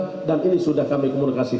itu yang kami sampaikan kepada pemerintah